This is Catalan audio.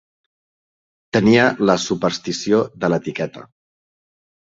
Tenia la superstició de l'etiqueta.